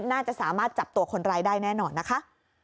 น่าจะสามารถจับตัวคนร้ายได้แน่นอนนะคะ